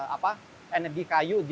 apa energi kayu